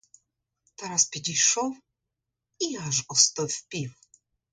Тарас підійшов — і аж остовпів.